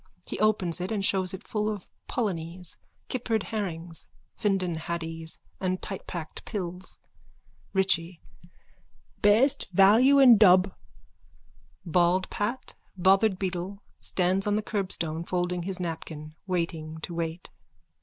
He opens it and shows it full of polonies, kippered herrings, Findon haddies and tightpacked pills.)_ RICHIE: Best value in Dub. _(Bald Pat, bothered beetle, stands on the curbstone, folding his napkin, waiting to wait.)